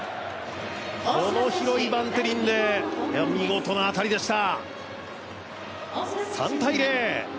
この広いバンテリンで、見事な当たりでした。